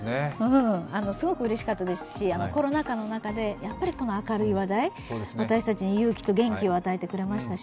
すごくうれしかったですし、コロナ禍の中でこの明るい話題、私たちに勇気と元気を与えてくれましたし